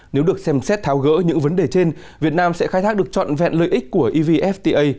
nếu được xem xét tháo gỡ những vấn đề trên việt nam sẽ khai thác được trọn vẹn lợi ích của evfta